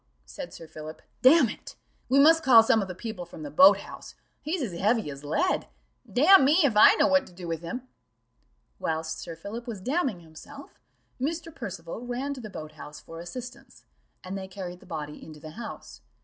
said Sir Philip: "Damn it, we must call some of the people from the boat house he's as heavy as lead: damn me, if I know what to do with him." Whilst Sir Philip was damning himself, Mr. Percival ran to the boat house for assistance, and they carried the body into the house.